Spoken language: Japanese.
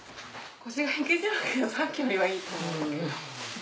腰が引けちゃうけどさっきよりはいいと思うんだけど。